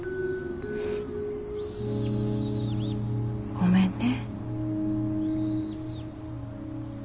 ごめんね。